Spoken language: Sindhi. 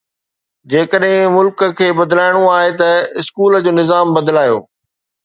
جيڪڏهن ملڪ کي بدلائڻو آهي ته اسڪول جو نظام بدلايو.